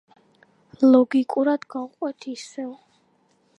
ლოგიკურად გავყვეთ ისევ.